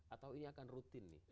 atau ini akan rutin nih